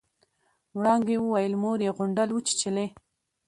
وړانګې وويل مور يې غونډل وچېچلې.